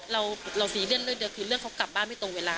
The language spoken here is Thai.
เราซีเรียสเรื่องเดียวคือเรื่องเขากลับบ้านไม่ตรงเวลา